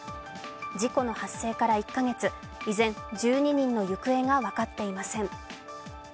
事故の発生から１カ月、依然、１２人の行方が分かっていません。